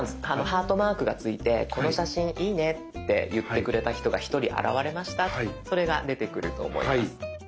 ハートマークがついてこの写真いいねって言ってくれた人が１人現れましたってそれが出てくると思います。